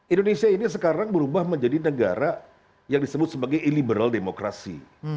indonesia ini sekarang berubah menjadi negara yang disebut sebagai illiberal demokrasi